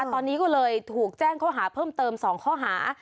ตอนนี้ก็เลยถูกแจ้งข้อหาเพิ่มเติม๒ข้อหา